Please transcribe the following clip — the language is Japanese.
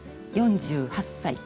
４８歳。